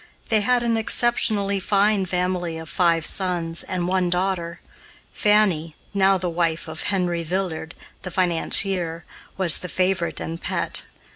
They had an exceptionally fine family of five sons and one daughter. Fanny, now the wife of Henry Villard, the financier, was the favorite and pet.